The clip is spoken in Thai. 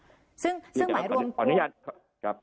ซึ่งหมายรวมคุณขออนุญาตครับ